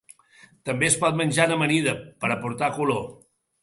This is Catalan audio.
També es pot menjar en amanida, per aportar color.